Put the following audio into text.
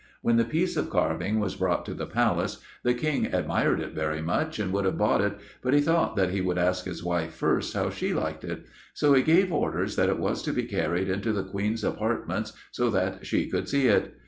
When the piece of carving was brought to the Palace, the King admired it very much, and would have bought it, but he thought that he would ask his wife first how she liked it. So he gave orders that it was to be carried into the Queen's apartments, so that she could see it.